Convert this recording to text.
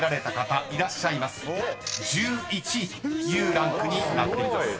［１１位というランクになっています］